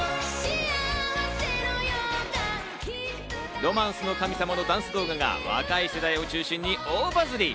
『ロマンスの神様』のダンス動画が若い世代を中心に大バズり！